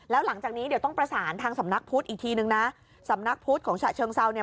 แล้วหลังจากนี้เดี๋ยวต้องประสานทางสำนักพุทธอีกทีนึงนะสำนักพุทธของฉะเชิงเซาเนี่ย